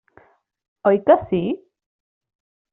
Oi que sí?